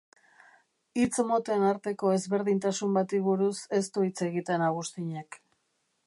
Hitz moten arteko ezberdintasun bati buruz ez du hitz egiten Agustinek.